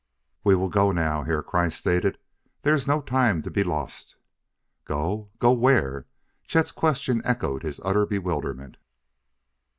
"We will go now," Herr Kreiss stated: "there is no time to be lost." "Go? Go where?" Chet's question echoed his utter bewilderment.